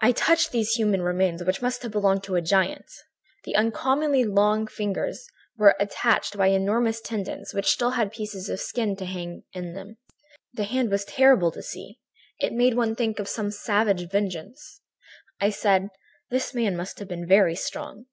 "I touched these human remains, which must have belonged to a giant. The uncommonly long fingers were attached by enormous tendons which still had pieces of skin hanging to them in places. This hand was terrible to see; it made one think of some savage vengeance. "I said: "'This man must have been very strong.'